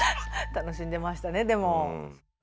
楽しんでましたねでも。